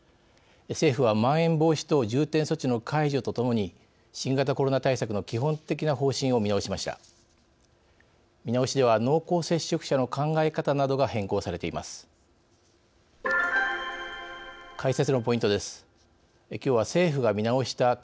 政府は、まん延防止等重点措置の解除とともに新型コロナ対策の基本的な方針を見直しました。